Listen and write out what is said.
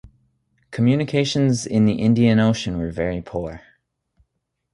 Communications in the Indian Ocean were very poor.